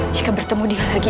jika bertemu dia lagi